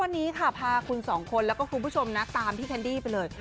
วันนี้พาคุณสองคนและคุณผู้ชมตามพี่แคนดี้ไปเลย